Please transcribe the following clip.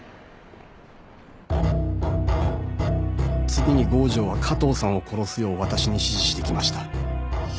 次に郷城は加藤さんを殺すよう私に指示してきました。